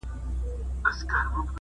نن دي خیال راته یو ښکلی انعام راوړ,